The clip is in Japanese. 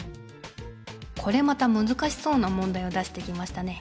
これまたむずかしそうな問題を出してきましたね。